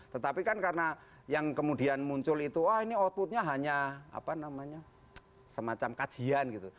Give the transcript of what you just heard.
tetapi kan karena yang kemudian muncul itu wah ini outputnya hanya semacam kajian gitu